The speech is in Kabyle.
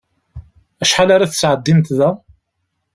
Acḥal ara tesεeddimt da?